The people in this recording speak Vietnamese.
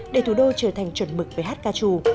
để thủ đô trở thành chuẩn mực về hát ca trù